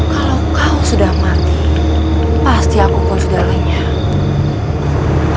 kalau kau sudah mati pasti aku pun sudah lenyap